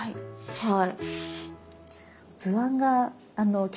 はい。